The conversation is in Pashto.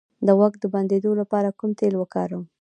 د غوږ د بندیدو لپاره کوم تېل وکاروم؟